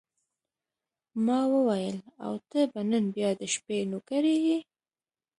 ما وویل: او ته به نن بیا د شپې نوکري یې.